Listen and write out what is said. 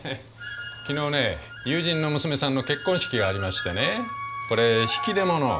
昨日ね友人の娘さんの結婚式がありましてねこれ引き出物。